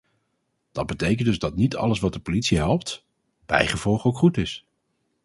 Dat betekent dus dat niet alles wat de politie helpt, bijgevolg ook goed is.